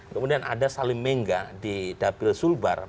kemudian ada salim mengga di dapil sulbar